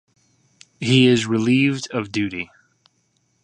He is relieved of duty.